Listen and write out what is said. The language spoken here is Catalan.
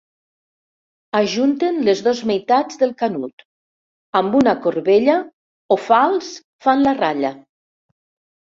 Ajunten les dos meitats del canut; amb una corbella o falç fan la ratlla.